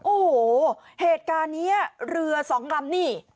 โอ้โหเหตุการณ์นี้เรือสองลำนี่